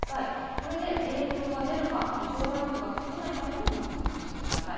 これで冷風が出るか、異常ランプがつかないかを確認してください。